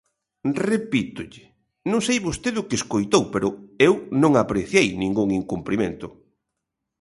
Repítolle, non sei vostede o que escoitou, pero eu non apreciei ningún incumprimento.